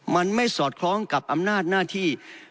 มันไม่สอดคล้องกับอำนาจหน้าที่